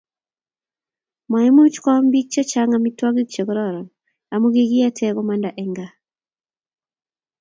maimuch koam biik che chang' amitwogik che kororon amu kikiete komanda eng' gaa